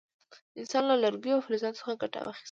انسان له لرګیو او فلزاتو څخه ګټه واخیسته.